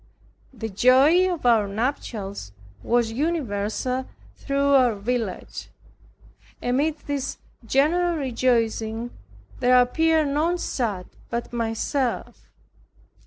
The joy of our nuptials was universal through our village. Amid this general rejoicing, there appeared none sad but myself.